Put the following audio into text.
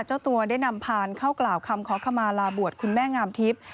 เจ้าตัวได้นำพานเข้ากล่าวคำขอขมาลาบวชคุณแม่งามทิพย์